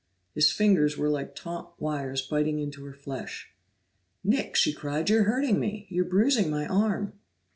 His fingers were like taunt wires biting into her flesh. "Nick!" she cried. "You're hurting me! You're bruising my arm!"